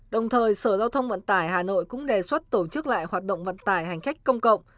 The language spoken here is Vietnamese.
đồng thời sở giao thông vận tải hà nội cũng đề xuất tổ chức lại hoạt động vận tải hành khách công cộng